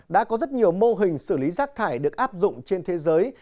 đã có rất nhiều mô hình xử lý rác thải được áp dụng trên thế giới